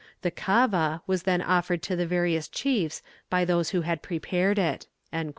The 'kava' was then offered to the various chiefs by those who had prepared it."